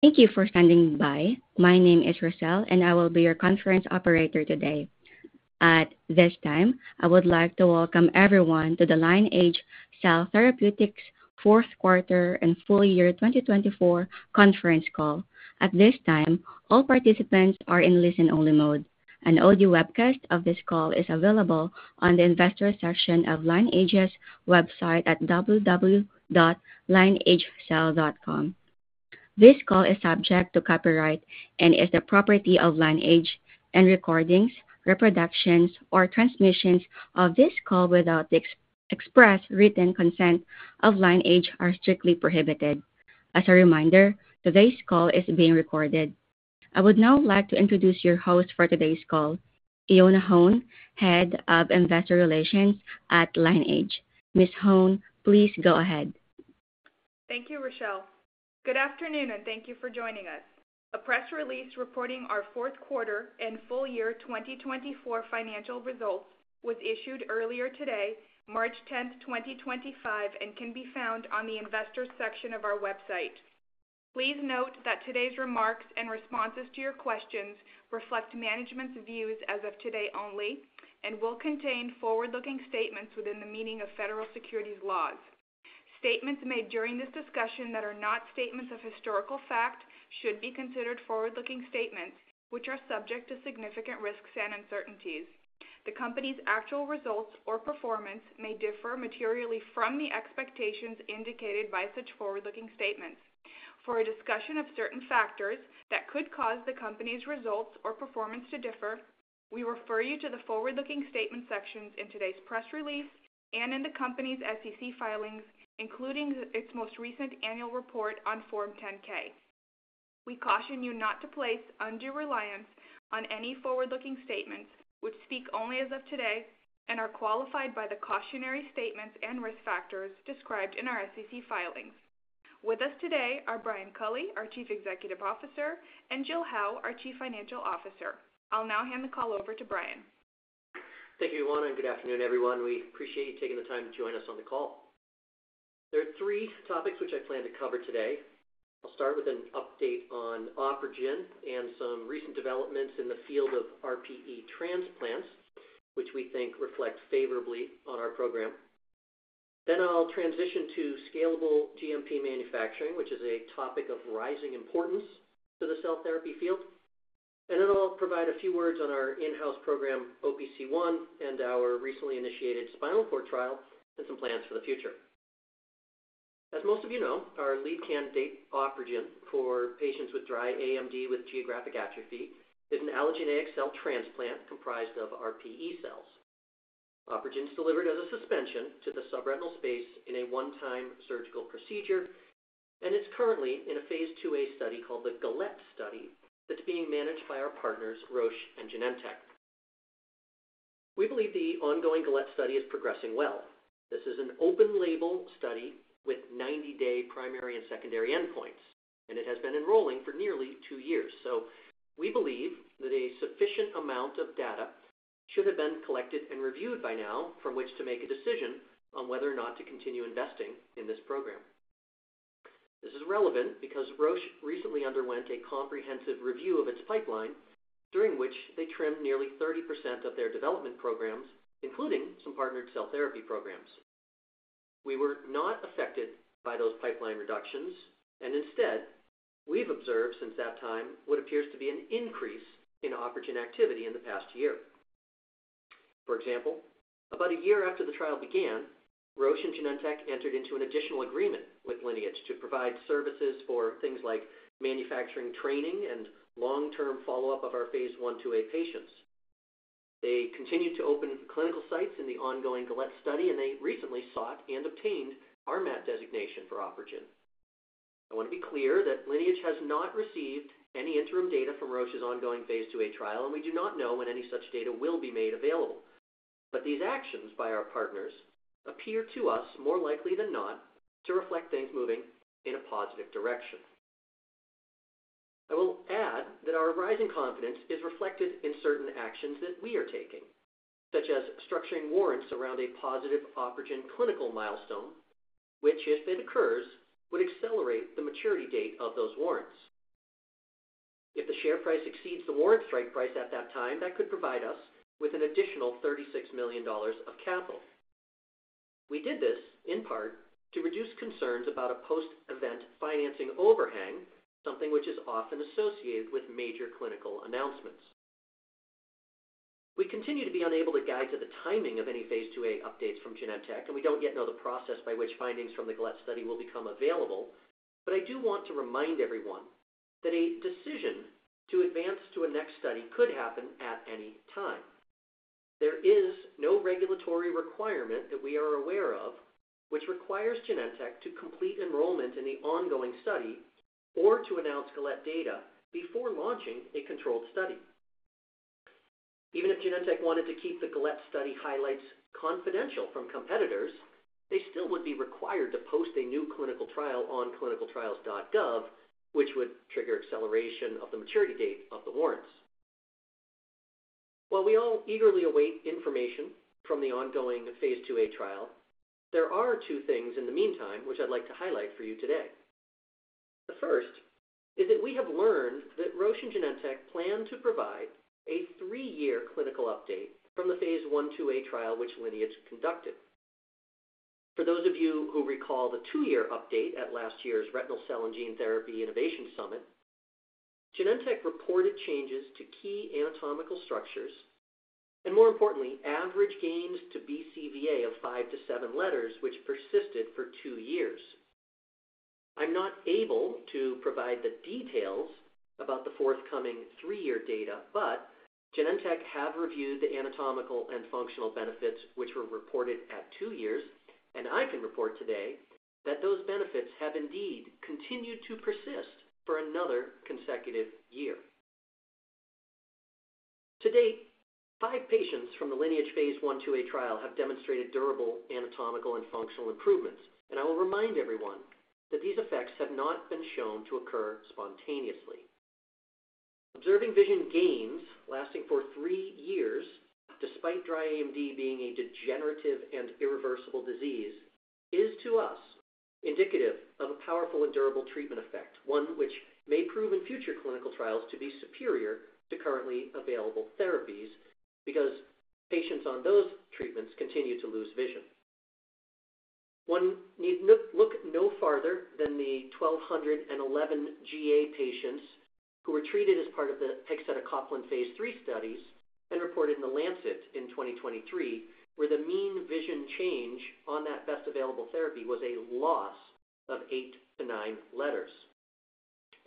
Thank you for standing by. My name is Rachelle, and I will be your conference operator today. At this time, I would like to welcome everyone to the Lineage Cell Therapeutics Q4 and Full Year 2024 Conference Call. At this time, all participants are in listen-only mode, and audio webcast of this call is available on the investor section of Lineage's website at www.lineagecell.com. This call is subject to copyright and is the property of Lineage. Any recordings, reproductions, or transmissions of this call without the express written consent of Lineage are strictly prohibited. As a reminder, today's call is being recorded. I would now like to introduce your host for today's call, Ioana Hone, Head of Investor Relations at Lineage. Ms. Hone, please go ahead. Thank you, Rachelle. Good afternoon, and thank you for joining us. A press release reporting our Q4 and full year 2024 financial results was issued earlier today, March 10, 2025, and can be found on the investor section of our website. Please note that today's remarks and responses to your questions reflect management's views as of today only and will contain forward-looking statements within the meaning of federal securities laws. Statements made during this discussion that are not statements of historical fact should be considered forward-looking statements, which are subject to significant risks and uncertainties. The company's actual results or performance may differ materially from the expectations indicated by such forward-looking statements. For a discussion of certain factors that could cause the company's results or performance to differ, we refer you to the forward-looking statement sections in today's press release and in the company's SEC filings, including its most recent annual report on Form 10-K. We caution you not to place undue reliance on any forward-looking statements, which speak only as of today and are qualified by the cautionary statements and risk factors described in our SEC filings. With us today are Brian Culley, our Chief Executive Officer, and Jill Howe, our Chief Financial Officer. I'll now hand the call over to Brian. Thank you, Ioana, and good afternoon, everyone. We appreciate you taking the time to join us on the call. There are three topics which I plan to cover today. I'll start with an update on OpRegen and some recent developments in the field of RPE transplants, which we think reflect favorably on our program. Next, I'll transition to scalable GMP manufacturing, which is a topic of rising importance to the cell therapy field. After that, I'll provide a few words on our in-house program, OPC1, and our recently initiated spinal cord trial and some plans for the future. As most of you know, our lead candidate, OpRegen, for patients with dry AMD with geographic atrophy is an allogeneic cell transplant comprised of RPE cells. OpRegen is delivered as a suspension to the subretinal space in a one-time surgical procedure, and it's currently in a Phase IIa study called the GALET Study that's being managed by our partners, Roche and Genentech. We believe the ongoing GALET Study is progressing well. This is an open-label study with 90-day primary and secondary endpoints, and it has been enrolling for nearly two years. We believe that a sufficient amount of data should have been collected and reviewed by now from which to make a decision on whether or not to continue investing in this program. This is relevant because Roche recently underwent a comprehensive review of its pipeline, during which they trimmed nearly 30% of their development programs, including some partnered cell therapy programs. We were not affected by those pipeline reductions, and instead, we've observed since that time what appears to be an increase in OpRegen activity in the past year. For example, about a year after the trial began, Roche and Genentech entered into an additional agreement with Lineage to provide services for things like manufacturing training and long-term follow-up of our phase I to IIa patients. They continued to open clinical sites in the ongoing GALET Study, and they recently sought and obtained RMAT designation for OpRegen. I want to be clear that Lineage has not received any interim data from Roche's ongoing Phase IIa trial, and we do not know when any such data will be made available. These actions by our partners appear to us more likely than not to reflect things moving in a positive direction. I will add that our rising confidence is reflected in certain actions that we are taking, such as structuring warrants around a positive OpRegen clinical milestone, which, if it occurs, would accelerate the maturity date of those warrants. If the share price exceeds the warrant strike price at that time, that could provide us with an additional $36 million of capital. We did this, in part, to reduce concerns about a post-event financing overhang, something which is often associated with major clinical announcements. We continue to be unable to guide to the timing of any Phase IIa updates from Genentech, and we do not yet know the process by which findings from the GALET Study will become available. I do want to remind everyone that a decision to advance to a next study could happen at any time. There is no regulatory requirement that we are aware of which requires Genentech to complete enrollment in the ongoing study or to announce GALET data before launching a controlled study. Even if Genentech wanted to keep t he GALET Study highlights confidential from competitors, they still would be required to post a new clinical trial on ClinicalTrials.gov, which would trigger acceleration of the maturity date of the warrants. While we all eagerly await information from the ongoing Phase IIa trial, there are two things in the meantime which I'd like to highlight for you today. The first is that we have learned that Roche and Genentech plan to provide a three-year clinical update from the phase I to IIa trial which Lineage conducted. For those of you who recall the two-year update at last year's Retinal Cell and Gene Therapy Innovation Summit, Genentech reported changes to key anatomical structures and, more importantly, average gains to BCVA of five to seven letters, which persisted for two years. I'm not able to provide the details about the forthcoming three-year data, but Genentech has reviewed the anatomical and functional benefits which were reported at two years, and I can report today that those benefits have indeed continued to persist for another consecutive year. To date, five patients from the Lineage phase I to IIa trial have demonstrated durable anatomical and functional improvements, and I will remind everyone that these effects have not been shown to occur spontaneously. Observing vision gains lasting for three years, despite dry AMD being a degenerative and irreversible disease, is to us indicative of a powerful and durable treatment effect, one which may prove in future clinical trials to be superior to currently available therapies because patients on those treatments continue to lose vision. One need not look no farther than the 1,211 GA patients who were treated as part of the pegcetacoplan Phase III studies and reported in The Lancet in 2023, where the mean vision change on that best available therapy was a loss of eight to nine letters.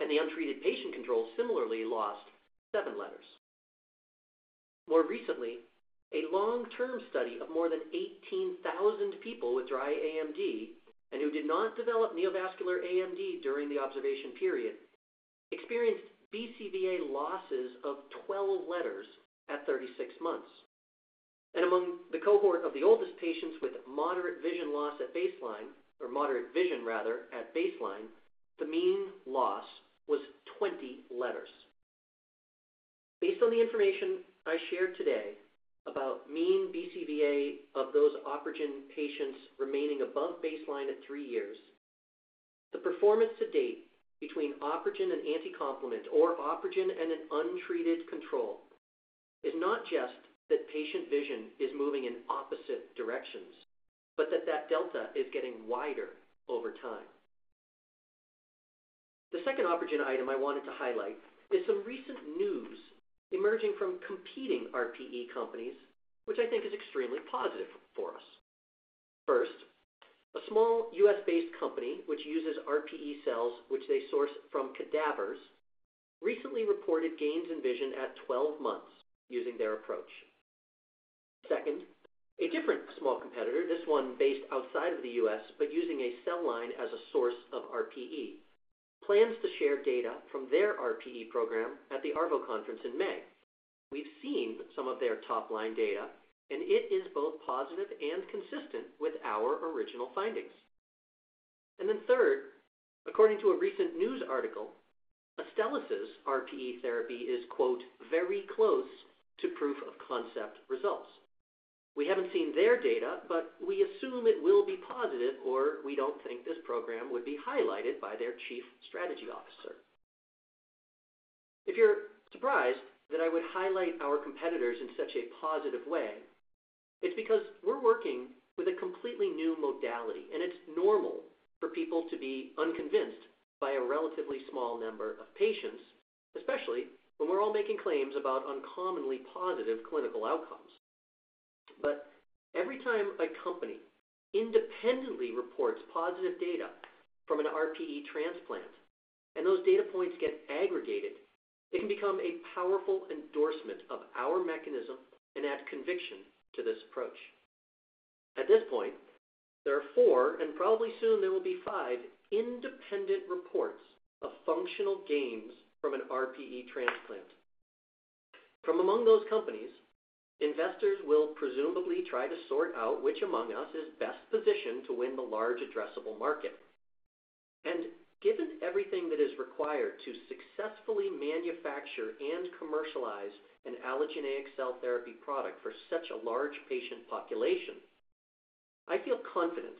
The untreated patient control similarly lost seven letters. More recently, a long-term study of more than 18,000 people with dry AMD and who did not develop neovascular AMD during the observation period experienced BCVA losses of 12 letters at 36 months. Among the cohort of the oldest patients with moderate vision loss at baseline, or moderate vision rather, at baseline, the mean loss was 20 letters. Based on the information I shared today about mean BCVA of those OpRegen patients remaining above baseline at three years, the performance to date between OpRegen and anti-complement, or OpRegen and an untreated control, is not just that patient vision is moving in opposite directions, but that that delta is getting wider over time. The second OpRegen item I wanted to highlight is some recent news emerging from competing RPE companies, which I think is extremely positive for us. First, a small U.S.-based company which uses RPE cells, which they source from cadavers, recently reported gains in vision at 12 months using their approach. Second, a different small competitor, this one based outside of the U.S. Using a cell line as a source of RPE, plans to share data from their RPE Program at the ARVO Conference in May. We've seen some of their top-line data, and it is both positive and consistent with our original findings. Third, according to a recent news article, Astellas' RPE therapy is "very close to proof of concept results." We haven't seen their data, but we assume it will be positive, or we don't think this program would be highlighted by their Chief Strategy Officer. If you're surprised that I would highlight our competitors in such a positive way, it's because we're working with a completely new modality, and it's normal for people to be unconvinced by a relatively small number of patients, especially when we're all making claims about uncommonly positive clinical outcomes. Every time a company independently reports positive data from an RPE transplant and those data points get aggregated, it can become a powerful endorsement of our mechanism and add conviction to this approach. At this point, there are four, and probably soon there will be five, independent reports of functional gains from an RPE transplant. From among those companies, investors will presumably try to sort out which among us is best positioned to win the large addressable market. Given everything that is required to successfully manufacture and commercialize an allogeneic cell therapy product for such a large patient population, I feel confident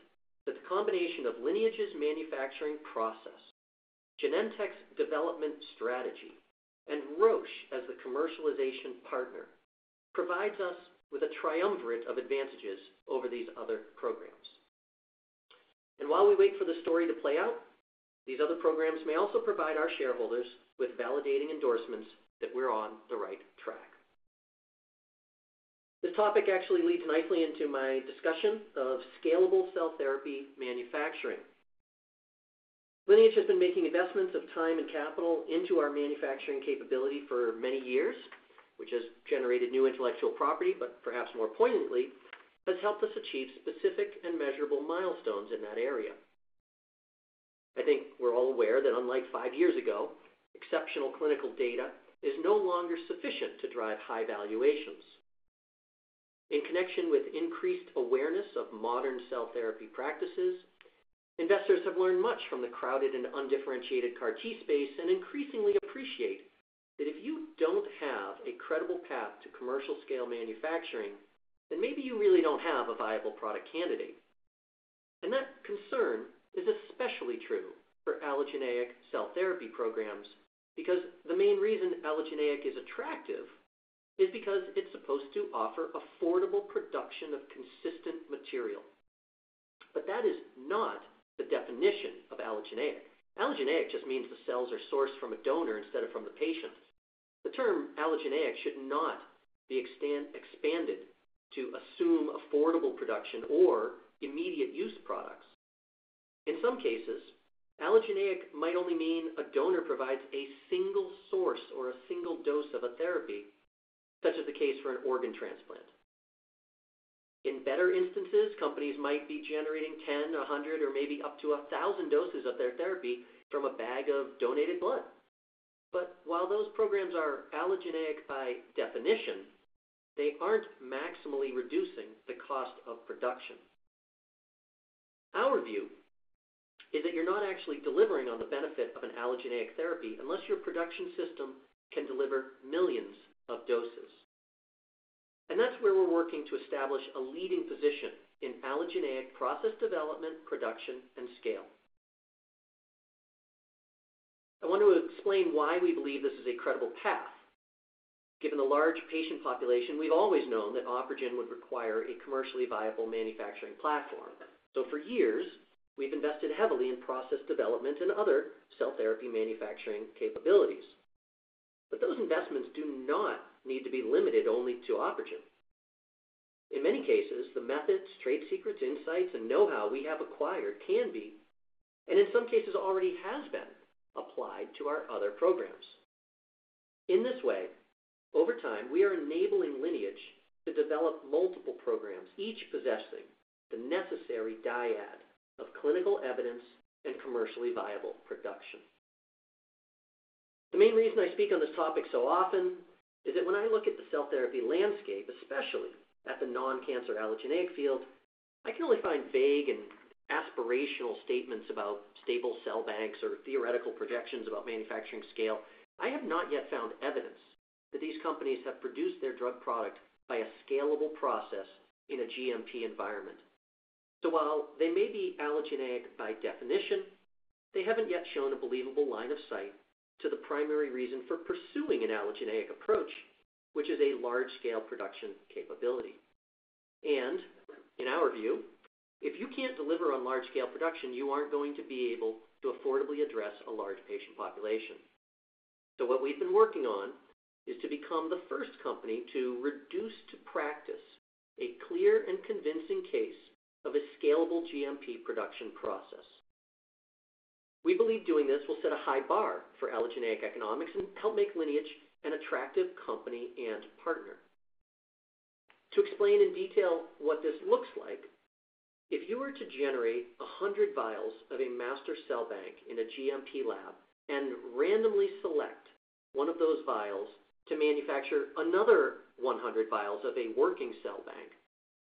that the combination of Lineage's manufacturing process, Genentech's development strategy, and Roche as the commercialization partner provides us with a triumvirate of advantages over these other programs. While we wait for the story to play out, these other programs may also provide our shareholders with validating endorsements that we're on the right track. This topic actually leads nicely into my discussion of scalable cell therapy manufacturing. Lineage has been making investments of time and capital into our manufacturing capability for many years, which has generated new intellectual property, but perhaps more poignantly, has helped us achieve specific and measurable milestones in that area. I think we're all aware that unlike five years ago, exceptional clinical data is no longer sufficient to drive high valuations. In connection with increased awareness of modern cell therapy practices, investors have learned much from the crowded and undifferentiated CAR-T space and increasingly appreciate that if you don't have a credible path to commercial-scale manufacturing, then maybe you really don't have a viable product candidate. That concern is especially true for allogeneic cell therapy programs because the main reason allogeneic is attractive is because it's supposed to offer affordable production of consistent material. That is not the definition of allogeneic. Allogeneic just means the cells are sourced from a donor instead of from the patient. The term allogeneic should not be expanded to assume affordable production or immediate use products. In some cases, allogeneic might only mean a donor provides a single source or a single dose of a therapy, such as the case for an organ transplant. In better instances, companies might be generating 10, 100, or maybe up to 1,000 doses of their therapy from a bag of donated blood. While those programs are allogeneic by definition, they aren't maximally reducing the cost of production. Our view is that you're not actually delivering on the benefit of an allogeneic therapy unless your production system can deliver millions of doses. That is where we're working to establish a leading position in allogeneic process development, production, and scale. I want to explain why we believe this is a credible path. Given the large patient population, we've always known that OpRegen would require a commercially viable manufacturing platform. For years, we've invested heavily in process development and other cell therapy manufacturing capabilities. Those investments do not need to be limited only to OpRegen. In many cases, the methods, trade secrets, insights, and know-how we have acquired can be, and in some cases already has been, applied to our other programs. In this way, over time, we are enabling Lineage to develop multiple programs, each possessing the necessary dyad of clinical evidence and commercially viable production. The main reason I speak on this topic so often is that when I look at the cell therapy landscape, especially at the non-cancer allogeneic field, I can only find vague and aspirational statements about stable cell banks or theoretical projections about manufacturing scale. I have not yet found evidence that these companies have produced their drug product by a scalable process in a GMP environment. While they may be allogeneic by definition, they have not yet shown a believable line of sight to the primary reason for pursuing an allogeneic approach, which is a large-scale production capability. In our view, if you cannot deliver on large-scale production, you are not going to be able to affordably address a large patient population. What we have been working on is to become the first company to reduce to practice a clear and convincing case of a scalable GMP production process. We believe doing this will set a high bar for allogeneic economics and help make Lineage an attractive company and partner. To explain in detail what this looks like, if you were to generate 100 vials of a master cell bank in a GMP lab and randomly select one of those vials to manufacture another 100 vials of a working cell bank,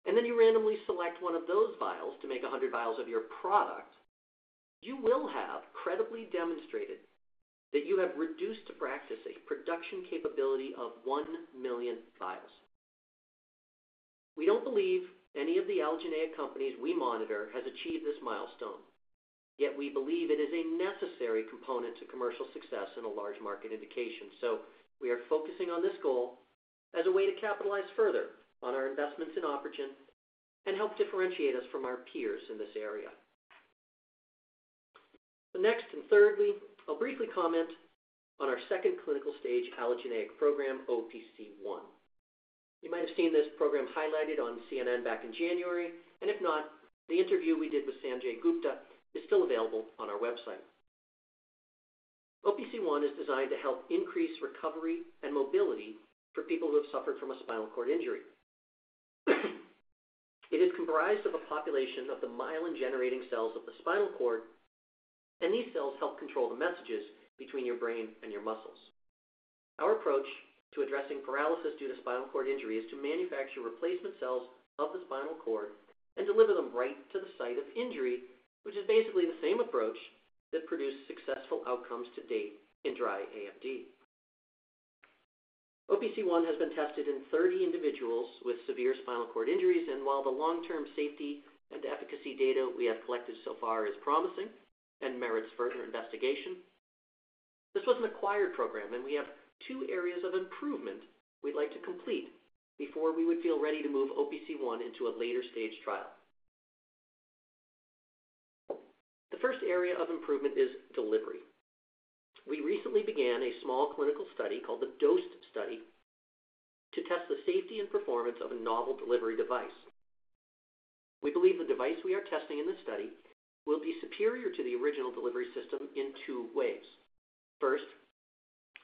and then you randomly select one of those vials to make 100 vials of your product, you will have credibly demonstrated that you have reduced to practice a production capability of 1 million vials. We don't believe any of the allogeneic companies we monitor has achieved this milestone, yet we believe it is a necessary component to commercial success in a large market indication. We are focusing on this goal as a way to capitalize further on our investments in OpRegen and help differentiate us from our peers in this area. Next and thirdly, I'll briefly comment on our second clinical stage allogeneic program, OPC1. You might have seen this program highlighted on back in January, and if not, the interview we did with Sanjay Gupta is still available on our website. OPC1 is designed to help increase recovery and mobility for people who have suffered from a spinal cord injury. It is comprised of a population of the myelin-generating cells of the spinal cord, and these cells help control the messages between your brain and your muscles. Our approach to addressing paralysis due to spinal cord injury is to manufacture replacement cells of the spinal cord and deliver them right to the site of injury, which is basically the same approach that produced successful outcomes to date in dry AMD. OPC1 has been tested in 30 individuals with severe spinal cord injuries, and while the long-term safety and efficacy data we have collected so far is promising and merits further investigation, this was an acquired program, and we have two areas of improvement we'd like to complete before we would feel ready to move OPC1 into a later stage trial. The first area of improvement is delivery. We recently began a small clinical study DOSE study to test the safety and performance of a novel delivery device. We believe the device we are testing in this study will be superior to the original delivery system in two ways. First,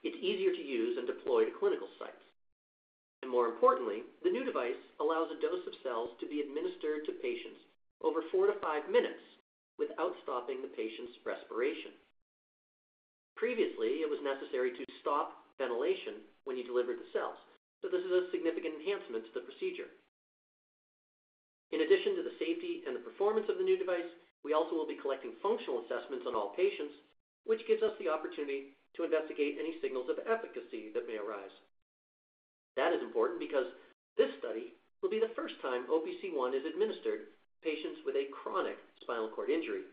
it's easier to use and deploy to clinical sites. More importantly, the new device allows a dose of cells to be administered to patients over four to five minutes without stopping the patient's respiration. Previously, it was necessary to stop ventilation when you delivered the cells, so this is a significant enhancement to the procedure. In addition to the safety and the performance of the new device, we also will be collecting functional assessments on all patients, which gives us the opportunity to investigate any signals of efficacy that may arise. That is important because this study will be the first time OPC1 is administered to patients with a chronic spinal cord injury,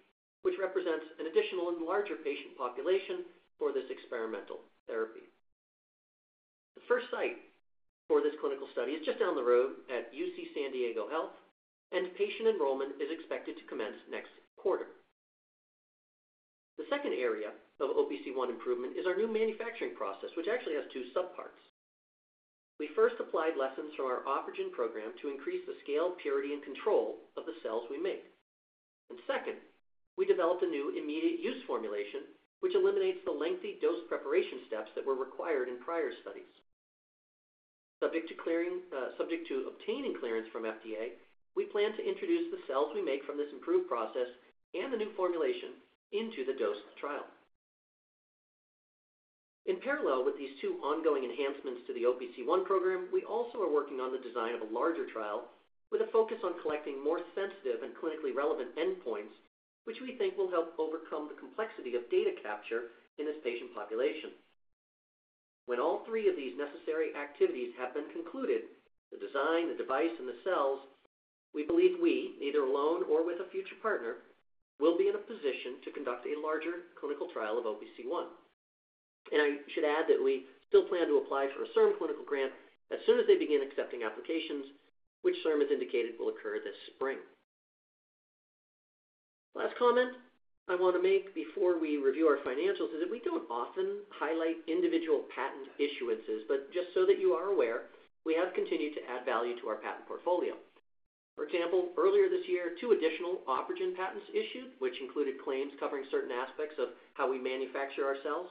which represents an additional and larger patient population for this experimental therapy. The first site for this clinical study is just down the road at UC San Diego Health, and patient enrollment is expected to commence next quarter. The second area of OPC1 improvement is our new manufacturing process, which actually has two subparts. We first applied lessons from our OpRegen program to increase the scale, purity, and control of the cells we make. Second, we developed a new immediate-use formulation, which eliminates the lengthy dose preparation steps that were required in prior studies. Subject to obtaining clearance from FDA, we plan to introduce the cells we make from this improved process and the new formulation into the DOSE trial. In parallel with these two ongoing enhancements to the OPC1 program, we also are working on the design of a larger trial with a focus on collecting more sensitive and clinically relevant endpoints, which we think will help overcome the complexity of data capture in this patient population. When all three of these necessary activities have been concluded, the design, the device, and the cells, we believe we, either alone or with a future partner, will be in a position to conduct a larger clinical trial of OPC1. I should add that we still plan to apply for a CIRM clinical grant as soon as they begin accepting applications, which CIRM has indicated will occur this spring. Last comment I want to make before we review our financials is that we do not often highlight individual patent issuances, but just so that you are aware, we have continued to add value to our patent portfolio. For example, earlier this year, two additional OpRegen patents issued, which included claims covering certain aspects of how we manufacture our cells.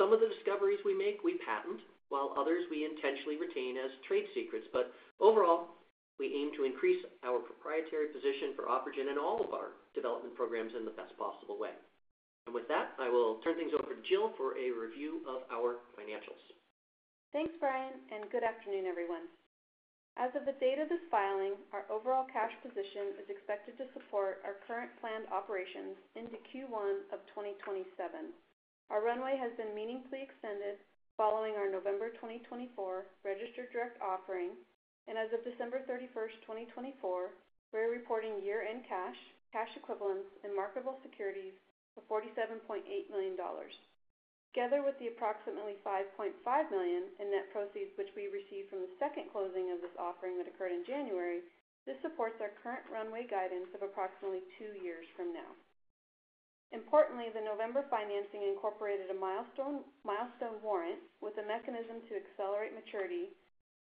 Some of the discoveries we make, we patent, while others we intentionally retain as trade secrets. Overall, we aim to increase our proprietary position for OpRegen and all of our development programs in the best possible way. With that, I will turn things over to Jill for a review of our financials. Thanks, Brian, and good afternoon, everyone. As of the date of this filing, our overall cash position is expected to support our current planned operations into Q1 of 2027.Our runway has been meaningfully extended following our November 2024 registered direct offering, and as of December 31, 2024, we're reporting year-end cash, cash equivalents, and marketable securities of $47.8 million. Together with the approximately $5.5 million in net proceeds, which we received from the second closing of this offering that occurred in January, this supports our current runway guidance of approximately two years from now. Importantly, the November financing incorporated a milestone warrant with a mechanism to accelerate maturity,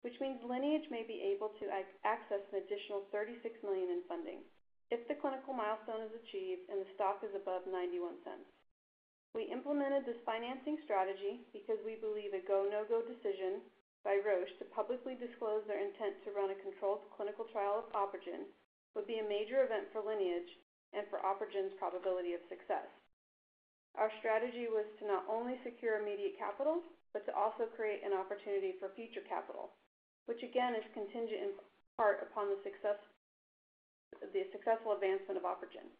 which means Lineage may be able to access an additional $36 million in funding if the clinical milestone is achieved and the stock is above $0.91. We implemented this financing strategy because we believe a go, no-go decision by Roche to publicly disclose their intent to run a controlled clinical trial of OpRegen would be a major event for Lineage and for OpRegen's probability of success. Our strategy was to not only secure immediate capital, but to also create an opportunity for future capital, which again is contingent in part upon the successful advancement of OpRegen.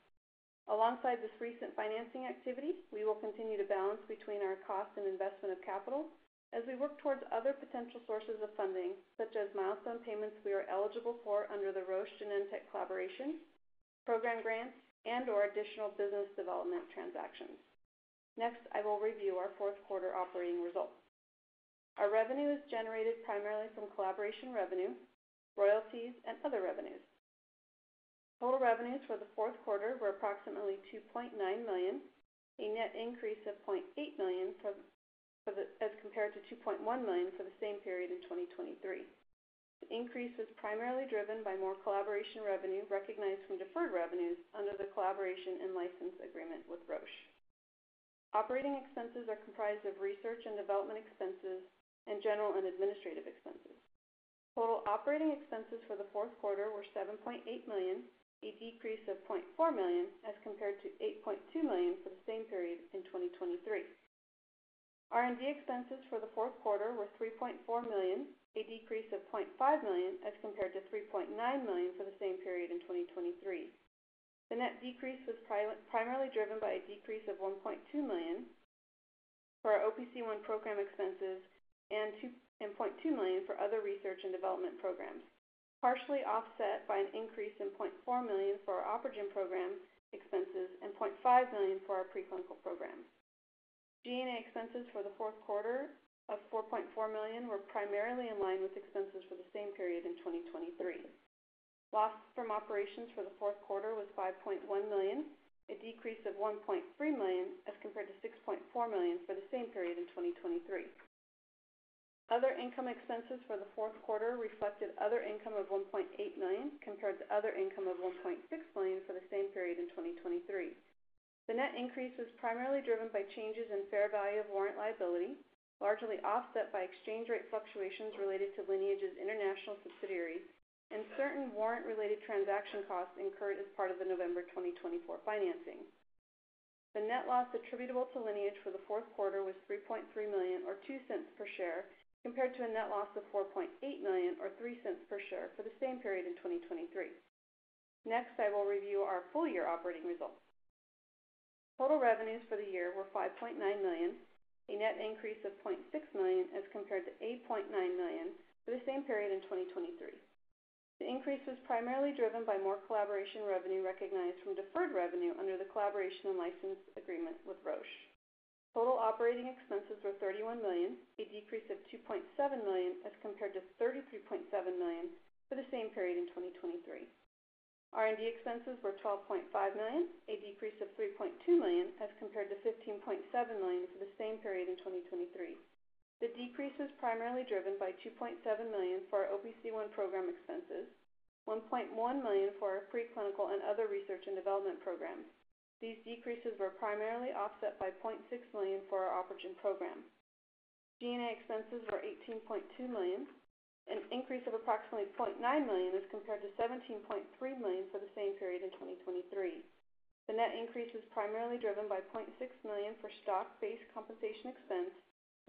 Alongside this recent financing activity, we will continue to balance between our cost and investment of capital as we work towards other potential sources of funding, such as milestone payments we are eligible for under the Roche Genentech collaboration, program grants, and/or additional business development transactions. Next, I will review our Q4 operating results. Our revenue is generated primarily from collaboration revenue, royalties, and other revenues. Total revenues for the Q4 were approximately $2.9 million, a net increase of $0.8 million as compared to $2.1 million for the same period in 2023. The increase was primarily driven by more collaboration revenue recognized from deferred revenues under the collaboration and license agreement with Roche. Operating expenses are comprised of research and development expenses and general and administrative expenses. Total operating expenses for the Q4 were $7.8 million, a decrease of $0.4 million as compared to $8.2 million for the same period in 2023. R&D expenses for the Q4 were $3.4 million, a decrease of $0.5 million as compared to $3.9 million for the same period in 2023. The net decrease was primarily driven by a decrease of $1.2 million for our OPC1 program expenses and $2.2 million for other research and development programs, partially offset by an increase in $0.4 million for our OpRegen program expenses and $0.5 million for our preclinical program.G and A expenses for the Q4 of $4.4 million were primarily in line with expenses for the same period in 2023. Loss from operations for the Q4 was $5.1 million, a decrease of $1.3 million as compared to $6.4 million for the same period in 2023. Other income expenses for the Q4 reflected other income of $1.8 million compared to other income of $1.6 million for the same period in 2023. The net increase was primarily driven by changes in fair value of warrant liability, largely offset by exchange rate fluctuations related to Lineage's international subsidiaries and certain warrant-related transaction costs incurred as part of the November 2024 financing. The net loss attributable to Lineage for the Q4 was $3.3 million or $0.02 per share compared to a net loss of $4.8 million or $0.03 per share for the same period in 2023. Next, I will review our full year operating results. Total revenues for the year were $5.9 million, a net increase of $0.6 million as compared to $8.9 million for the same period in 2023. The increase was primarily driven by more collaboration revenue recognized from deferred revenue under the collaboration and license agreement with Roche. Total operating expenses were $31 million, a decrease of $2.7 million as compared to $33.7 million for the same period in 2023. R&D expenses were $12.5 million, a decrease of $3.2 million as compared to $15.7 million for the same period in 2023. The decrease was primarily driven by $2.7 million for our OPC1 program expenses, $1.1 million for our pre-clinical and other research and development programs. These decreases were primarily offset by $0.6 million for our OpRegen program.G and A expenses were $18.2 million, an increase of approximately $0.9 million as compared to $17.3 million for the same period in 2023. The net increase was primarily driven by $0.6 million for stock-based compensation expense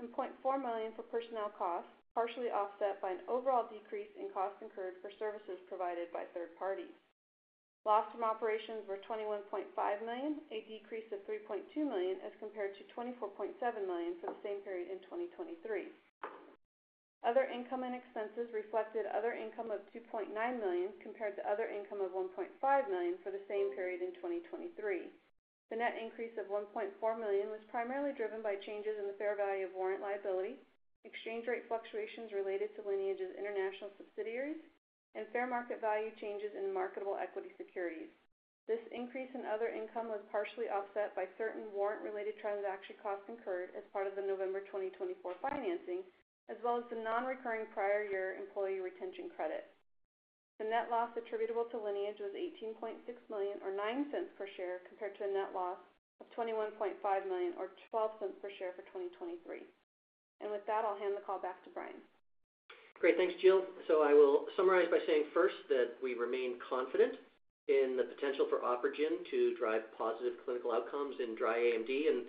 and $0.4 million for personnel costs, partially offset by an overall decrease in cost incurred for services provided by third parties. Loss from operations was $21.5 million, a decrease of $3.2 million as compared to $24.7 million for the same period in 2023. Other income and expenses reflected other income of $2.9 million compared to other income of $1.5 million for the same period in 2023. The net increase of $1.4 million was primarily driven by changes in the fair value of warrant liability, exchange rate fluctuations related to Lineage's international subsidiaries, and fair market value changes in marketable equity securities. This increase in other income was partially offset by certain warrant-related transaction costs incurred as part of the November 2024 financing, as well as the non-recurring prior year employee retention credit. The net loss attributable to Lineage was $18.6 million or $0.09 per share compared to a net loss of $21.5 million or $0.12 per share for 2023. With that, I'll hand the call back to Brian. Great. Thanks, Jill. I will summarize by saying first that we remain confident in the potential for OpRegen to drive positive clinical outcomes in dry AMD, and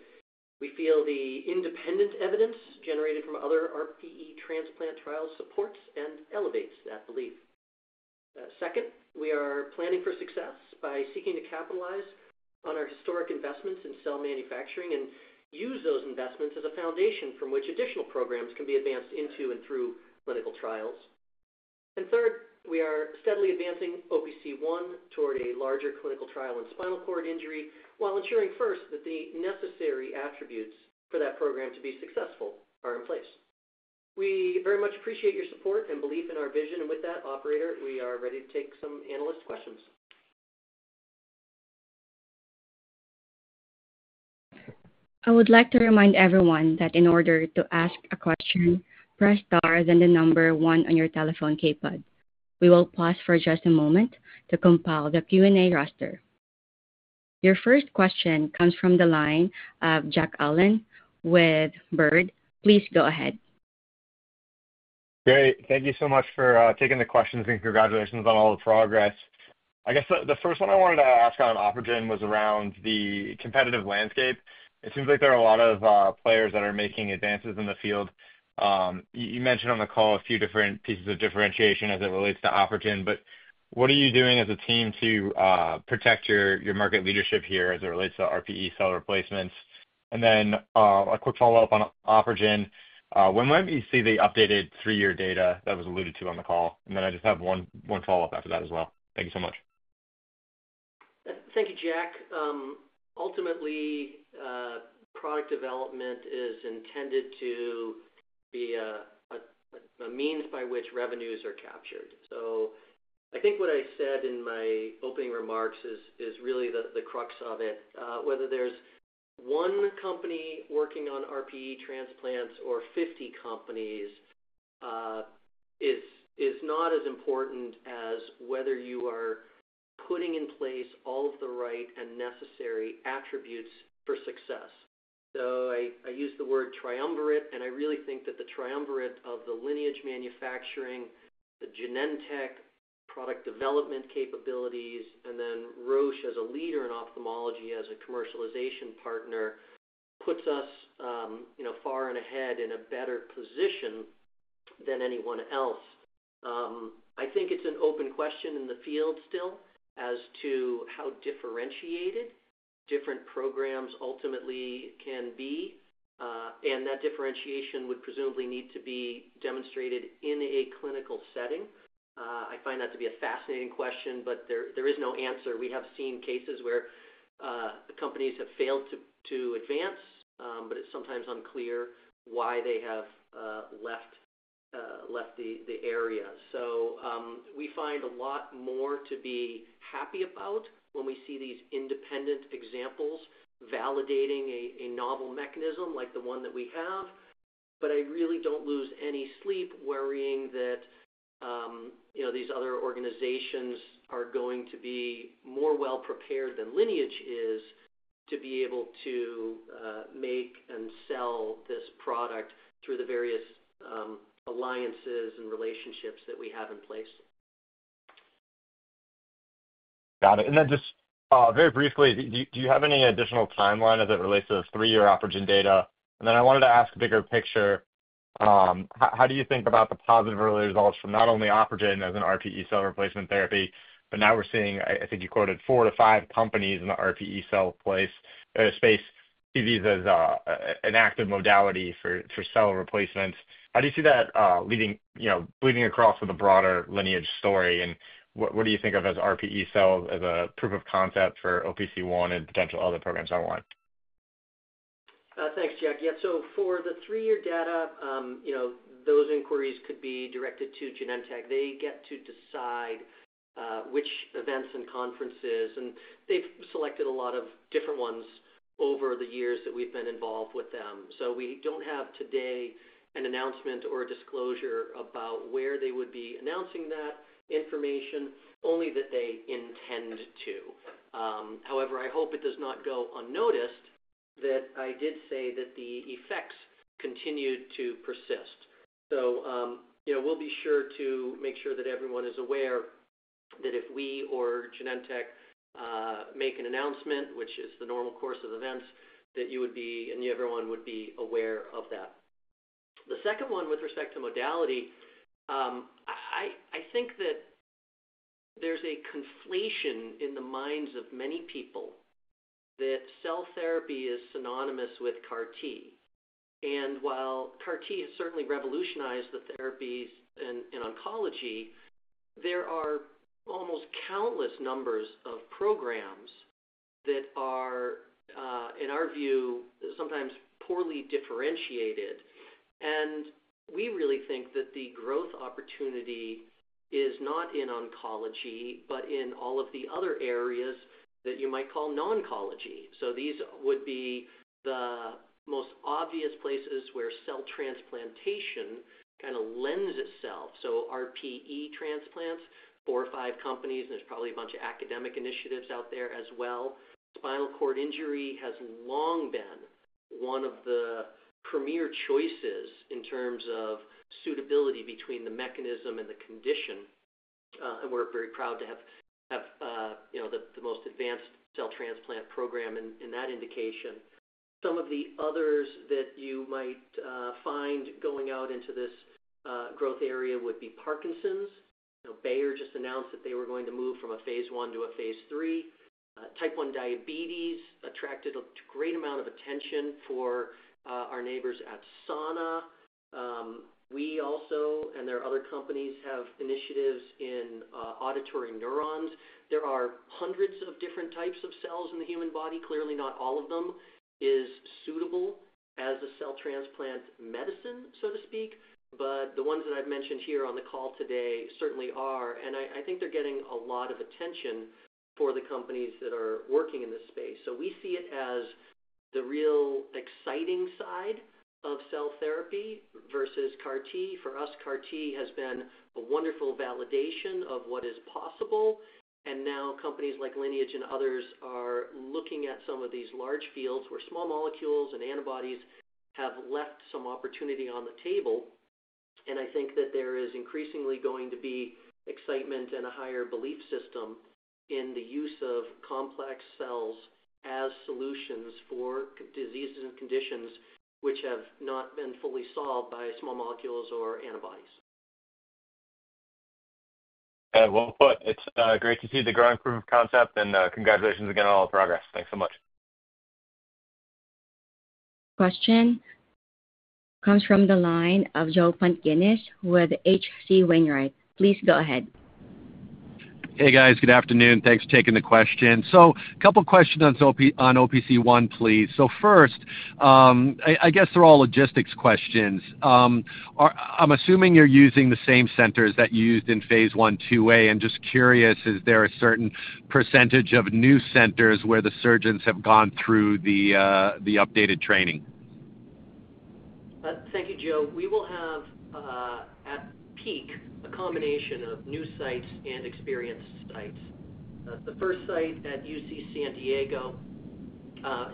we feel the independent evidence generated from other RPE transplant trials supports and elevates that belief. Second, we are planning for success by seeking to capitalize on our historic investments in cell manufacturing and use those investments as a foundation from which additional programs can be advanced into and through clinical trials. Third, we are steadily advancing OPC1 toward a larger clinical trial in spinal cord injury while ensuring first that the necessary attributes for that program to be successful are in place. We very much appreciate your support and belief in our vision, and with that, Operator, we are ready to take some analyst questions. I would like to remind everyone that in order to ask a question, press star and then the number one on your telephone keypad. We will pause for just a moment to compile the Q&A roster. Your first question comes from the line of Jack Allen with Baird. Please go ahead. Great. Thank you so much for taking the questions and congratulations on all the progress. I guess the first one I wanted to ask on OpRegen was around the competitive landscape. It seems like there are a lot of players that are making advances in the field. You mentioned on the call a few different pieces of differentiation as it relates to OpRegen, but what are you doing as a team to protect your market leadership here as it relates to RPE cell replacements? A quick follow-up on OpRegen, when will you see the updated three-year data that was alluded to on the call? I just have one follow-up after that as well. Thank you so much. Thank you, Jack. Ultimately, product development is intended to be a means by which revenues are captured. I think what I said in my opening remarks is really the crux of it. Whether there is one company working on RPE transplants or 50 companies is not as important as whether you are putting in place all of the right and necessary attributes for success. I use the word triumvirate, and I really think that the triumvirate of the Lineage manufacturing, the Genentech product development capabilities, and then Roche as a leader in ophthalmology as a commercialization partner puts us far and ahead in a better position than anyone else. I think it's an open question in the field still as to how differentiated different programs ultimately can be, and that differentiation would presumably need to be demonstrated in a clinical setting. I find that to be a fascinating question, but there is no answer. We have seen cases where companies have failed to advance, but it's sometimes unclear why they have left the area. We find a lot more to be happy about when we see these independent examples validating a novel mechanism like the one that we have.I really don't lose any sleep worrying that these other organizations are going to be more well-prepared than Lineage is to be able to make and sell this product through the various alliances and relationships that we have in place. Got it. Just very briefly, do you have any additional timeline as it relates to the three-year OpRegen data? I wanted to ask a bigger picture. How do you think about the positive early results from not only OpRegen as an RPE cell replacement therapy, but now we're seeing, I think you quoted, four to five companies in the RPE cell space see these as an active modality for cell replacements? How do you see that bleeding across with the broader Lineage story? What do you think of as RPE cell as a proof of concept for OPC1 and potential other programs that want? Thanks, Jack. Yeah. For the three-year data, those inquiries could be directed to Genentech. They get to decide which events and conferences, and they've selected a lot of different ones over the years that we've been involved with them. We don't have today an announcement or a disclosure about where they would be announcing that information, only that they intend to. However, I hope it does not go unnoticed that I did say that the effects continued to persist. We'll be sure to make sure that everyone is aware that if we or Genentech make an announcement, which is the normal course of events, you would be and everyone would be aware of that. The second one with respect to modality, I think that there's a conflation in the minds of many people that cell therapy is synonymous with CAR-T. While CAR-T has certainly revolutionized the therapies in oncology, there are almost countless numbers of programs that are, in our view, sometimes poorly differentiated. We really think that the growth opportunity is not in oncology, but in all of the other areas that you might call non-oncology. These would be the most obvious places where cell transplantation kind of lends itself. RPE transplants, four or five companies, and there's probably a bunch of academic initiatives out there as well. Spinal cord injury has long been one of the premier choices in terms of suitability between the mechanism and the condition. We are very proud to have the most advanced cell transplant program in that indication. Some of the others that you might find going out into this growth area would be Parkinson's. Bayer just announced that they were going to move from a phase one to a phase three. Type 1 diabetes attracted a great amount of attention for our neighbors at Sana. We also, and there are other companies, have initiatives in auditory neurons. There are hundreds of different types of cells in the human body. Clearly, not all of them are suitable as a cell transplant medicine, so to speak, but the ones that I've mentioned here on the call today certainly are. I think they're getting a lot of attention for the companies that are working in this space. We see it as the real exciting side of cell therapy versus CAR-T. For us, CAR-T has been a wonderful validation of what is possible. Companies like Lineage and others are looking at some of these large fields where small molecules and antibodies have left some opportunity on the table. I think that there is increasingly going to be excitement and a higher belief system in the use of complex cells as solutions for diseases and conditions which have not been fully solved by small molecules or antibodies. Well put. It's great to see the growing proof of concept, and congratulations again on all the progress. Thanks so much. Question comes from the line of Joe Pantginis with H.C. Wainwright. Please go ahead. Hey, guys. Good afternoon. Thanks for taking the question. A couple of questions on OPC1, please. First, I guess they're all logistics questions. I'm assuming you're using the same centers that you used in phase one, two A, and just curious, is there a certain percentage of new centers where the surgeons have gone through the updated training? Thank you, Joe. We will have at peak a combination of new sites and experienced sites. The first site at UC San Diego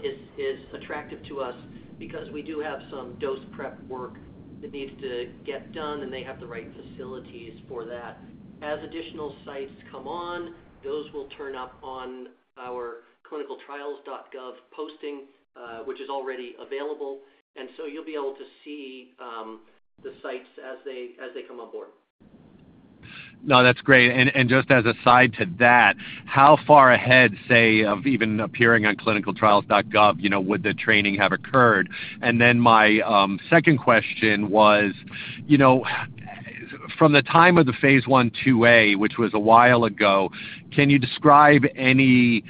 is attractive to us because we do have some dose prep work that needs to get done, and they have the right facilities for that. As additional sites come on, those will turn up on our clinicaltrials.gov posting, which is already available. You will be able to see the sites as they come on board. No, that's great. And just as a side to that, how far ahead, say, of even appearing on clinicaltrials.gov would the training have occurred? My second question was, from the time of the phase one, two A, which was a while ago, can you describe any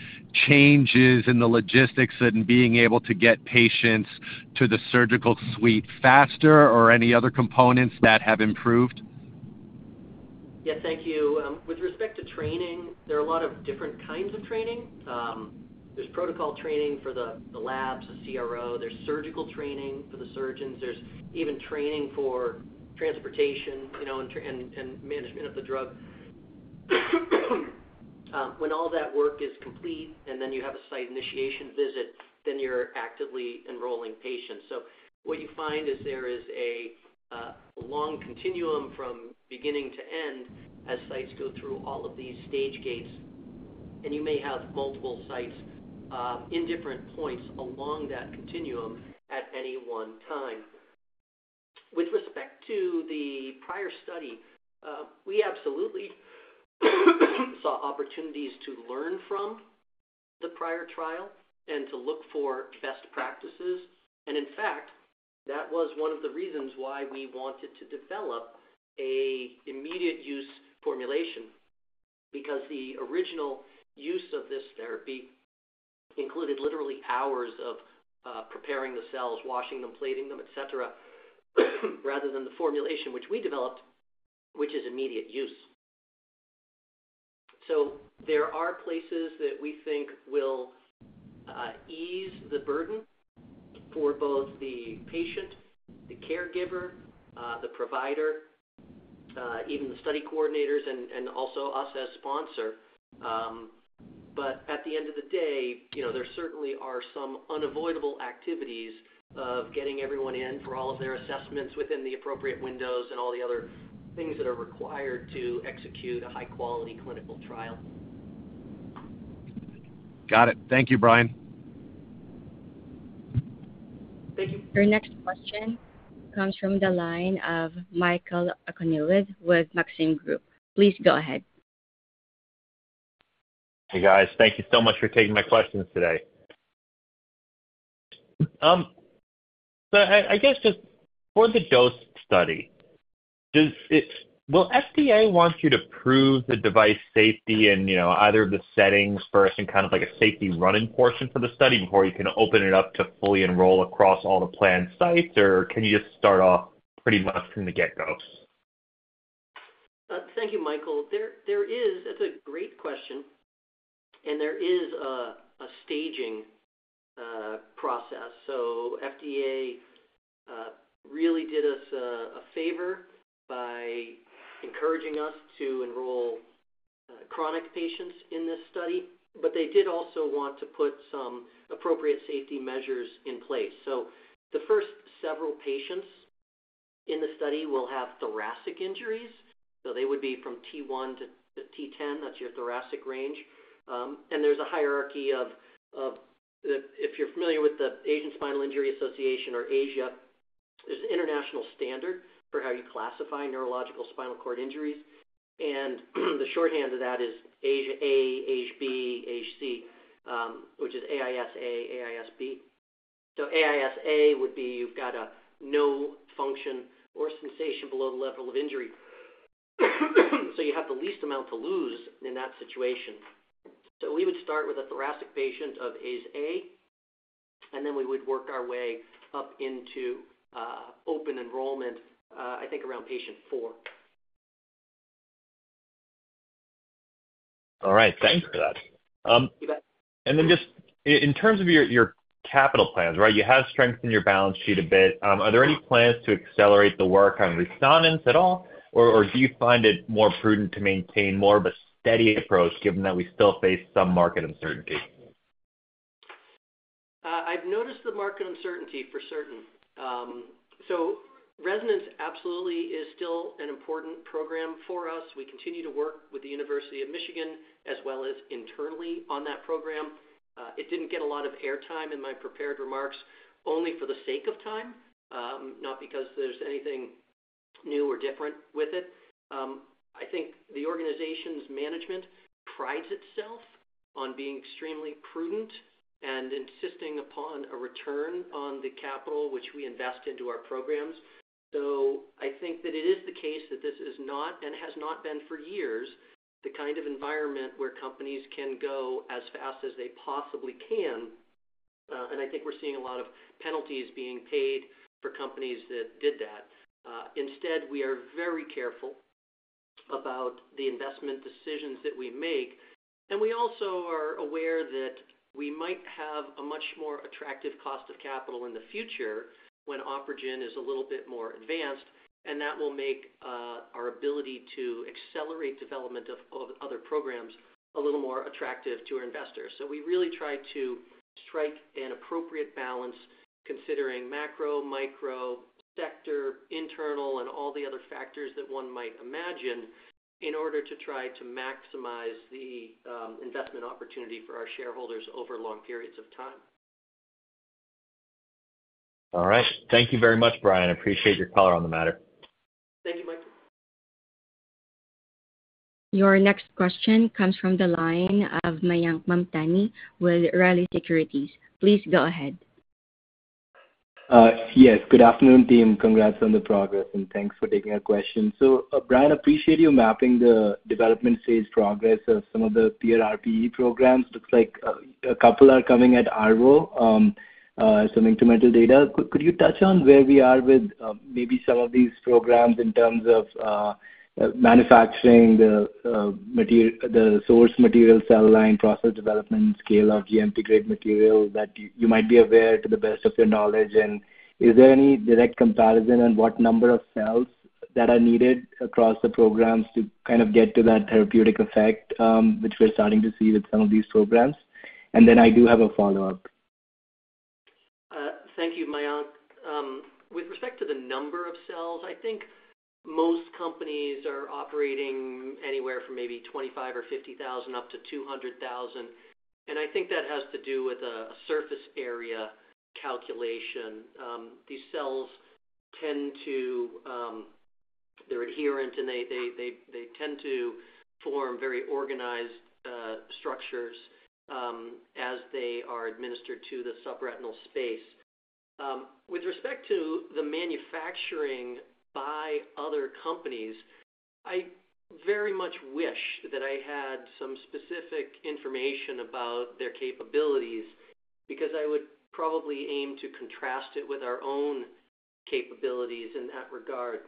changes in the logistics and being able to get patients to the surgical suite faster or any other components that have improved? Yes, thank you. With respect to training, there are a lot of different kinds of training. There's protocol training for the labs, the CRO. There's surgical training for the surgeons. There's even training for transportation and management of the drug. When all that work is complete and then you have a site initiation visit, then you're actively enrolling patients. What you find is there is a long continuum from beginning to end as sites go through all of these stage gates, and you may have multiple sites in different points along that continuum at any one time. With respect to the prior study, we absolutely saw opportunities to learn from the prior trial and to look for best practices. In fact, that was one of the reasons why we wanted to develop an immediate-use formulation because the original use of this therapy included literally hours of preparing the cells, washing them, plating them, etc., rather than the formulation which we developed, which is immediate use. There are places that we think will ease the burden for both the patient, the caregiver, the provider, even the study coordinators, and also us as sponsor. At the end of the day, there certainly are some unavoidable activities of getting everyone in for all of their assessments within the appropriate windows and all the other things that are required to execute a high-quality clinical trial. Got it. Thank you, Brian. Thank you. Our next question comes from the line of Michael Okunewitch with Maxim Group. Please go ahead. Hey, guys. Thank you so much for taking my questions today. I guess just for the DOSE study, will FDA want you to prove the device safety in either of the settings first and kind of like a safety running portion for the study before you can open it up to fully enroll across all the planned sites, or can you just start off pretty much from the get-go? Thank you, Michael. That's a great question, and there is a staging process. FDA really did us a favor by encouraging us to enroll chronic patients in this study, but they did also want to put some appropriate safety measures in place. The first several patients in the study will have thoracic injuries. They would be from T1 to T10. That's your thoracic range. There's a hierarchy of, if you're familiar with the American Spinal Injury Association, there's an international standard for how you classify neurological spinal cord injuries. The shorthand of that is ASIA A, ASIA B, ASIA C, which is AIS A, AIS B. So AIS A would be you've got no function or sensation below the level of injury. You have the least amount to lose in that situation. We would start with a thoracic patient of ASIA A, and then we would work our way up into open enrollment, I think, around patient four. All right. Thanks for that. In terms of your capital plans, you have strengthened your balance sheet a bit. Are there any plans to accelerate the work on ReSonance at all, or do you find it more prudent to maintain more of a steady approach given that we still face some market uncertainty? I've noticed the market uncertainty for certain. ReSonance absolutely is still an important program for us. We continue to work with the University of Michigan as well as internally on that program. It did not get a lot of airtime in my prepared remarks, only for the sake of time, not because there's anything new or different with it. I think the organization's management prides itself on being extremely prudent and insisting upon a return on the capital which we invest into our programs. I think that it is the case that this is not, and has not been for years, the kind of environment where companies can go as fast as they possibly can. I think we're seeing a lot of penalties being paid for companies that did that. Instead, we are very careful about the investment decisions that we make. We also are aware that we might have a much more attractive cost of capital in the future when OpRegen is a little bit more advanced, and that will make our ability to accelerate development of other programs a little more attractive to our investors. We really try to strike an appropriate balance considering macro, micro, sector, internal, and all the other factors that one might imagine in order to try to maximize the investment opportunity for our shareholders over long periods of time. All right. Thank you very much, Brian. I appreciate your color on the matter. Thank you, Michael. Your next question comes from the line of Mayank Mamtani with B. Riley Securities. Please go ahead. Yes. Good afternoon, team. Congrats on the progress, and thanks for taking our questions. Brian, I appreciate you mapping the development stage progress of some of the peer RPE Programs. Looks like a couple are coming at ARVO, some incremental data. Could you touch on where we are with maybe some of these programs in terms of manufacturing, the source material cell line, process development, scale of GMP-grade material that you might be aware to the best of your knowledge? Is there any direct comparison on what number of cells that are needed across the programs to kind of get to that therapeutic effect, which we're starting to see with some of these programs? I do have a follow-up. Thank you, Mayank. With respect to the number of cells, I think most companies are operating anywhere from maybe 25 or 50 thousand up to 200 thousand.I think that has to do with a surface area calculation. These cells tend to—they're adherent, and they tend to form very organized structures as they are administered to the subretinal space. With respect to the manufacturing by other companies, I very much wish that I had some specific information about their capabilities because I would probably aim to contrast it with our own capabilities in that regard.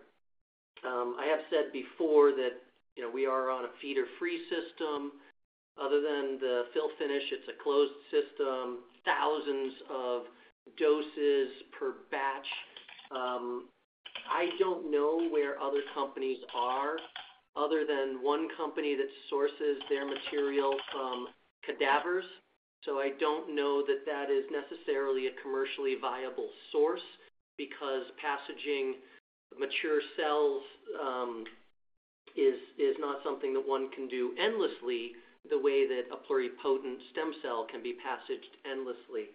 I have said before that we are on a feeder-free system. Other than the fill finish, it's a closed system, thousands of doses per batch. I don't know where other companies are other than one company that sources their material from cadavers. I don't know that that is necessarily a commercially viable source because passaging mature cells is not something that one can do endlessly the way that a pluripotent stem cell can be passaged endlessly.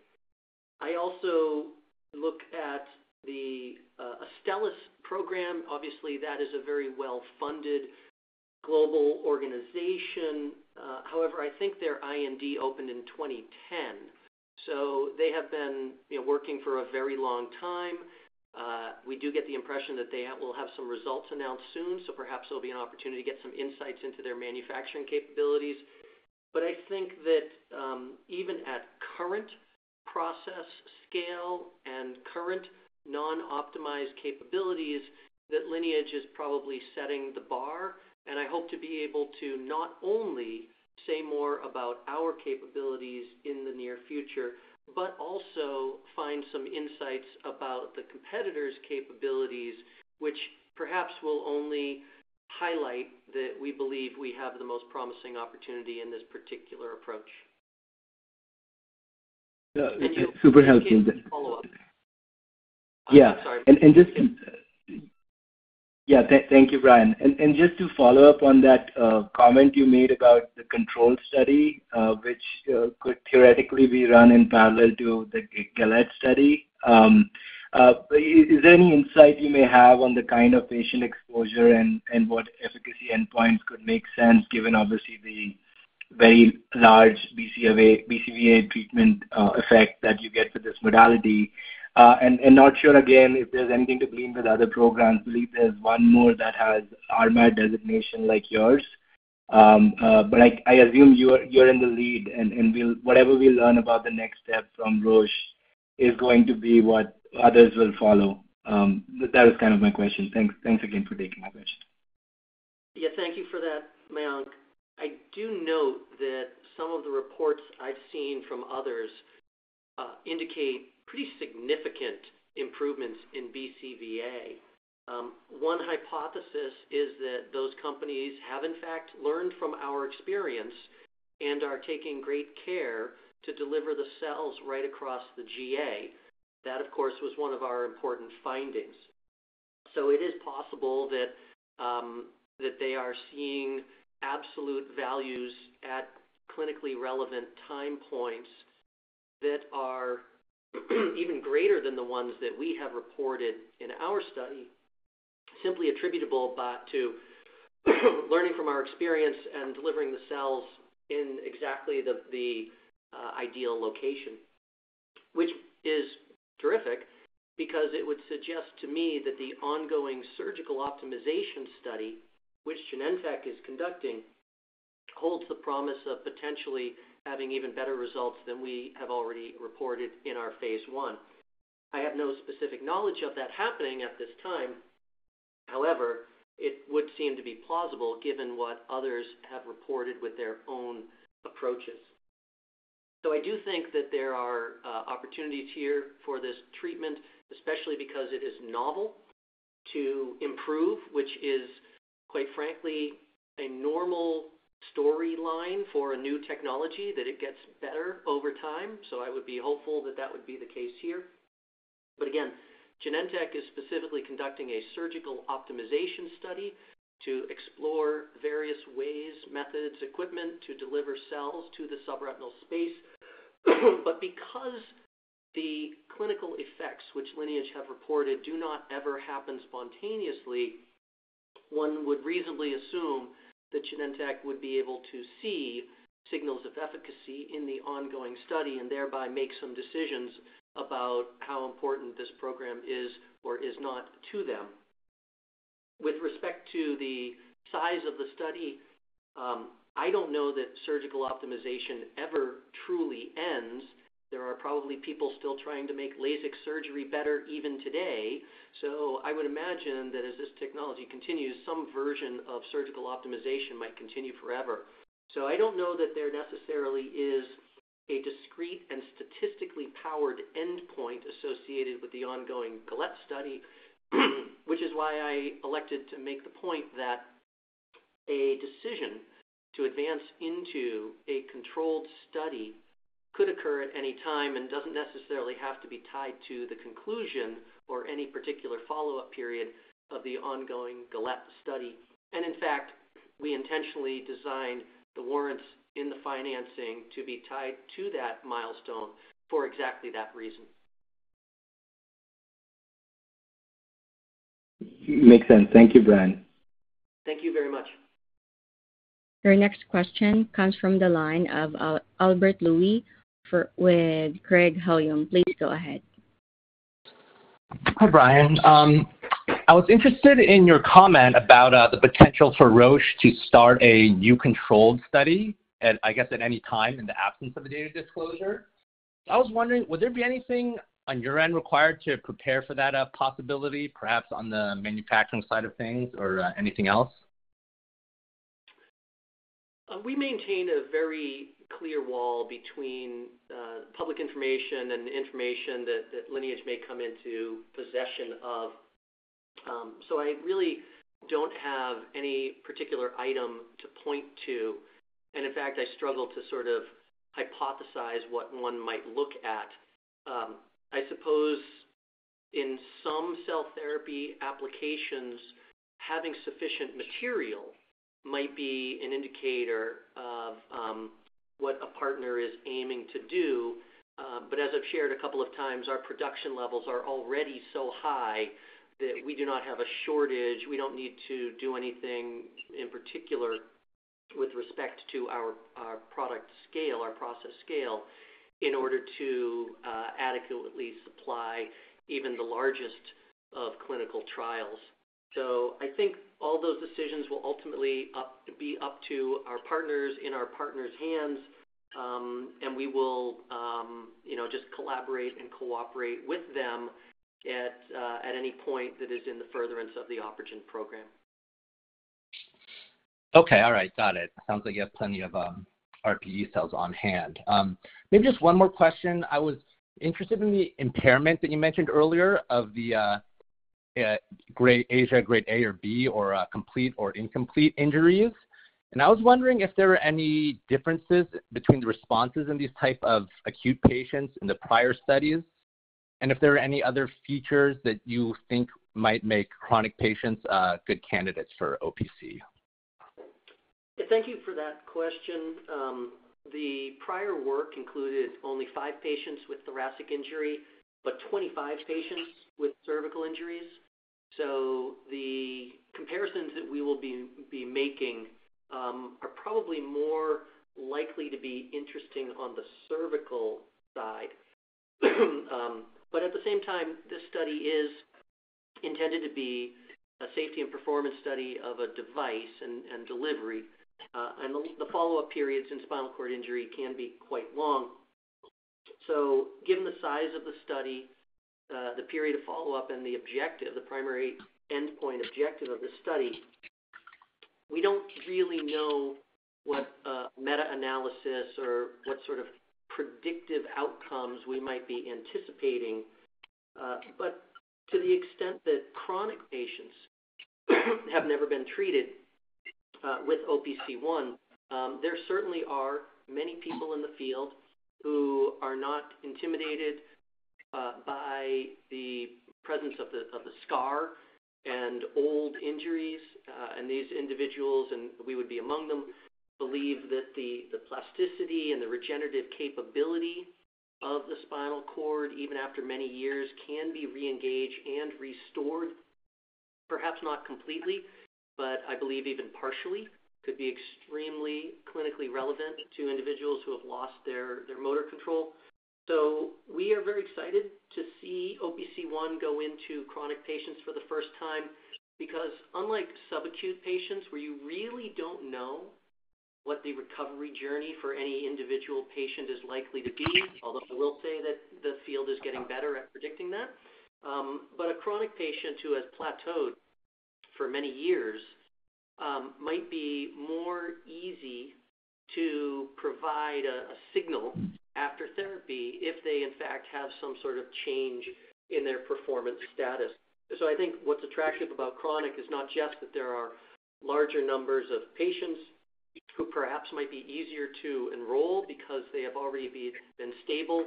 I also look at the Astellas program. Obviously, that is a very well-funded global organization. However, I think their IND opened in 2010. They have been working for a very long time. We do get the impression that they will have some results announced soon, so perhaps there will be an opportunity to get some insights into their manufacturing capabilities. I think that even at current process scale and current non-optimized capabilities, Lineage is probably setting the bar. I hope to be able to not only say more about our capabilities in the near future, but also find some insights about the competitors' capabilities, which perhaps will only highlight that we believe we have the most promising opportunity in this particular approach. Super helpful. Yeah. Thank you, Brian.Just to follow up on that comment you made about the control study, which could theoretically be run in parallel to the GALET Study, is there any insight you may have on the kind of patient exposure and what efficacy endpoints could make sense given, obviously, the very large BCVA treatment effect that you get with this modality? Not sure, again, if there's anything to blame with other programs. I believe there's one more that has RMAT designation like yours. I assume you're in the lead, and whatever we learn about the next step from Roche is going to be what others will follow. That was kind of my question. Thanks again for taking my question. Yeah, thank you for that, Mayank. I do note that some of the reports I've seen from others indicate pretty significant improvements in BCVA.One hypothesis is that those companies have, in fact, learned from our experience and are taking great care to deliver the cells right across the GA. That, of course, was one of our important findings. It is possible that they are seeing absolute values at clinically relevant time points that are even greater than the ones that we have reported in our study, simply attributable to learning from our experience and delivering the cells in exactly the ideal location, which is terrific because it would suggest to me that the ongoing Surgical Optimization Study, which Genentech is conducting, holds the promise of potentially having even better results than we have already reported in our phase one. I have no specific knowledge of that happening at this time. However, it would seem to be plausible given what others have reported with their own approaches. I do think that there are opportunities here for this treatment, especially because it is novel to improve, which is, quite frankly, a normal storyline for a new technology that it gets better over time. I would be hopeful that that would be the case here. Again, Genentech is specifically conducting a Surgical Optimization Study to explore various ways, methods, equipment to deliver cells to the subretinal space. Because the clinical effects, which Lineage have reported, do not ever happen spontaneously, one would reasonably assume that Genentech would be able to see signals of efficacy in the ongoing study and thereby make some decisions about how important this program is or is not to them. With respect to the size of the study, I don't know that surgical optimization ever truly ends. There are probably people still trying to make LASIK surgery better even today. I would imagine that as this technology continues, some version of surgical optimization might continue forever. I do not know that there necessarily is a discrete and statistically powered endpoint associated with the ongoing GALET Study, which is why I elected to make the point that a decision to advance into a controlled study could occur at any time and does not necessarily have to be tied to the conclusion or any particular follow-up period of the ongoing GALET Study. In fact, we intentionally designed the warrants in the financing to be tied to that milestone for exactly that reason. Makes sense. Thank you, Brian. Thank you very much. Your next question comes from the line of Albert Lowe with Craig-Hallum. Please go ahead. Hi, Brian.I was interested in your comment about the potential for Roche to start a new controlled study, I guess, at any time in the absence of a data disclosure. I was wondering, would there be anything on your end required to prepare for that possibility, perhaps on the manufacturing side of things or anything else? We maintain a very clear wall between public information and the information that Lineage may come into possession of. I really do not have any particular item to point to. In fact, I struggle to sort of hypothesize what one might look at. I suppose in some cell therapy applications, having sufficient material might be an indicator of what a partner is aiming to do. As I have shared a couple of times, our production levels are already so high that we do not have a shortage. We don't need to do anything in particular with respect to our product scale, our process scale, in order to adequately supply even the largest of clinical trials. I think all those decisions will ultimately be up to our partners, in our partners' hands, and we will just collaborate and cooperate with them at any point that is in the furtherance of the OpRegen program. Okay. All right. Got it. Sounds like you have plenty of RPE cells on hand. Maybe just one more question. I was interested in the impairment that you mentioned earlier of the ASIA grade A or B or complete or incomplete injuries. I was wondering if there were any differences between the responses in these types of acute patients in the prior studies and if there were any other features that you think might make chronic patients good candidates for OPC1. Thank you for that question. The prior work included only five patients with thoracic injury but 25 patients with cervical injuries. The comparisons that we will be making are probably more likely to be interesting on the cervical side. At the same time, this study is intended to be a safety and performance study of a device and delivery. The follow-up periods in spinal cord injury can be quite long. Given the size of the study, the period of follow-up, and the primary endpoint objective of this study, we do not really know what meta-analysis or what sort of predictive outcomes we might be anticipating. To the extent that chronic patients have never been treated with OPC1, there certainly are many people in the field who are not intimidated by the presence of the scar and old injuries. These individuals, and we would be among them, believe that the plasticity and the regenerative capability of the spinal cord, even after many years, can be reengaged and restored, perhaps not completely, but I believe even partially, could be extremely clinically relevant to individuals who have lost their motor control. We are very excited to see OPC1 go into chronic patients for the first time because, unlike subacute patients where you really do not know what the recovery journey for any individual patient is likely to be, although I will say that the field is getting better at predicting that, a chronic patient who has plateaued for many years might be more easy to provide a signal after therapy if they, in fact, have some sort of change in their performance status. I think what's attractive about chronic is not just that there are larger numbers of patients who perhaps might be easier to enroll because they have already been stable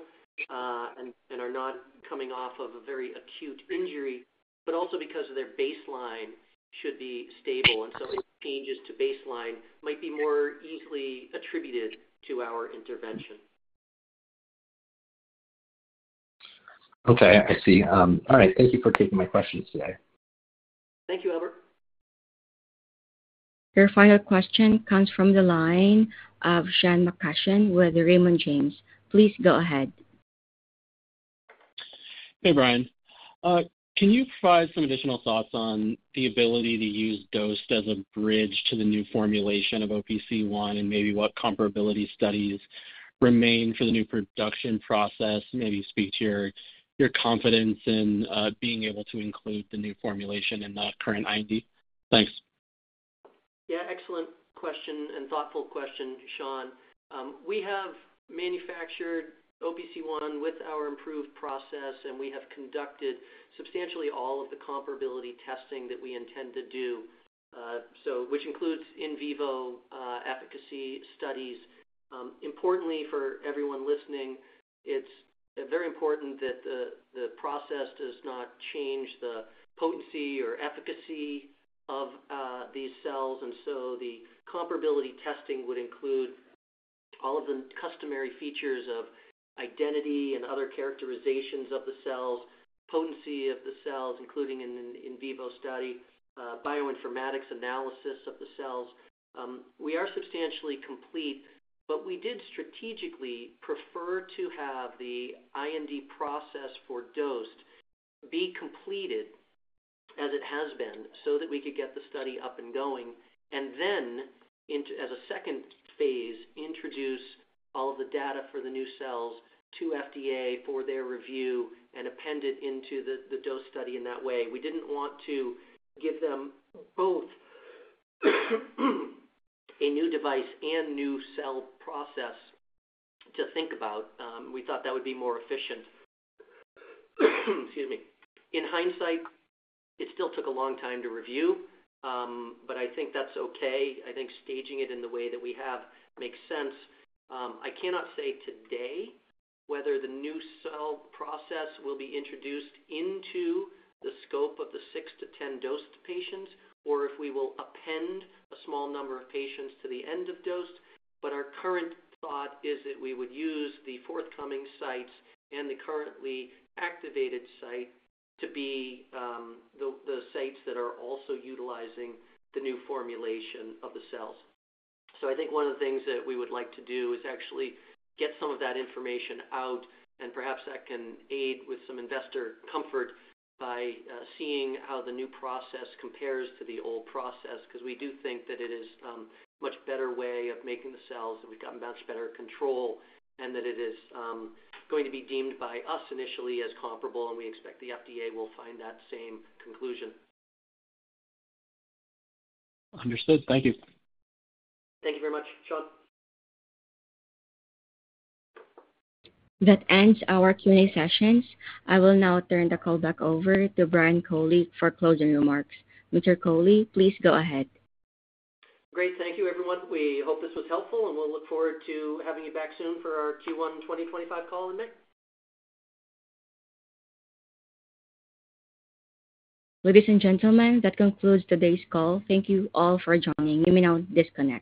and are not coming off of a very acute injury, but also because their baseline should be stable. Changes to baseline might be more easily attributed to our intervention. Okay. I see. All right. Thank you for taking my questions today. Thank you, Albert. Your final question comes from the line of Sean McCutcheon with Raymond James. Please go ahead. Hey, Brian. Can you provide some additional thoughts on the ability to use DOSED as a bridge to the new formulation of OPC1 and maybe what comparability studies remain for the new production process? Maybe speak to your confidence in being able to include the new formulation in the current IND. Thanks. Yeah.Excellent question and thoughtful question, Sean. We have manufactured OPC1 with our improved process, and we have conducted substantially all of the comparability testing that we intend to do, which includes in vivo efficacy studies. Importantly, for everyone listening, it's very important that the process does not change the potency or efficacy of these cells. The comparability testing would include all of the customary features of identity and other characterizations of the cells, potency of the cells, including an in vivo study, bioinformatics analysis of the cells. We are substantially complete, but we did strategically prefer to have the IND process for DOSED be completed as it has been so that we could get the study up and going and then, as a second phase, introduce all of the data for the new cells to FDA for their review and append it into the DOSE study in that way. We did not want to give them both a new device and new cell process to think about. We thought that would be more efficient. Excuse me. In hindsight, it still took a long time to review, but I think that's okay. I think staging it in the way that we have makes sense. I cannot say today whether the new cell process will be introduced into the scope of the 6-10 DOSED patients or if we will append a small number of patients to the end of DOSED, but our current thought is that we would use the forthcoming sites and the currently activated site to be the sites that are also utilizing the new formulation of the cells. I think one of the things that we would like to do is actually get some of that information out, and perhaps that can aid with some investor comfort by seeing how the new process compares to the old process because we do think that it is a much better way of making the cells, that we have gotten much better control, and that it is going to be deemed by us initially as comparable, and we expect the FDA will find that same conclusion. Understood. Thank you. Thank you very much, Sean. That ends our Q&A sessions. I will now turn the call back over to Brian Culley for closing remarks. Mr. Culley, please go ahead. Great. Thank you, everyone. We hope this was helpful, and we will look forward to having you back soon for our Q1 2025 call in May. Ladies and gentlemen, that concludes today's call. Thank you all for joining. You may now disconnect.